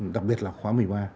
đặc biệt là khóa một mươi ba